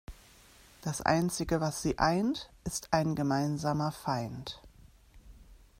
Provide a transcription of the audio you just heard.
Das einzige, was sie eint, ist ein gemeinsamer Feind.